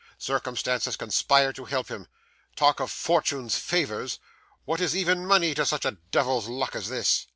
'Circumstances conspire to help him. Talk of fortune's favours! What is even money to such Devil's luck as this?